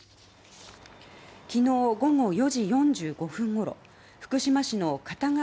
昨日午後４時４５分ごろ福島市の片側